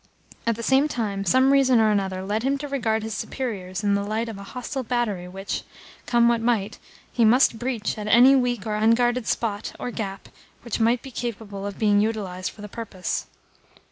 At the same time, some reason or another led him to regard his superiors in the light of a hostile battery which, come what might, he must breach at any weak or unguarded spot or gap which might be capable of being utilised for the purpose.